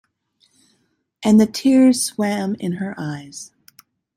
And the tears swam in her eyes.